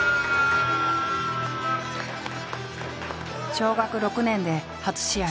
小学６年で初試合。